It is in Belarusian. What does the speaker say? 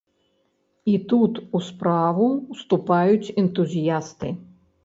І тут у справу ўступаюць энтузіясты.